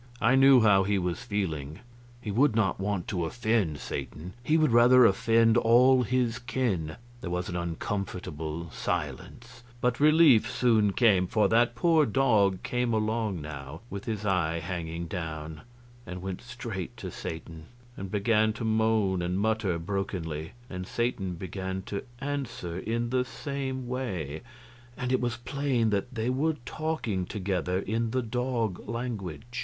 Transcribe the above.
I knew how he was feeling. He would not want to offend Satan; he would rather offend all his kin. There was an uncomfortable silence, but relief soon came, for that poor dog came along now, with his eye hanging down, and went straight to Satan, and began to moan and mutter brokenly, and Satan began to answer in the same way, and it was plain that they were talking together in the dog language.